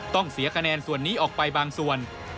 ต้องเสียคะแนนส่วนนี้ออกไปบางส่วน